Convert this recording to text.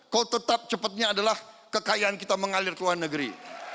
kok tetap cepatnya adalah kekayaan kita mengalir ke luar negeri